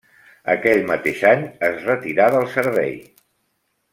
Aquell mateix any es retirà del servei.